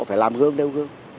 phải làm gương nêu gương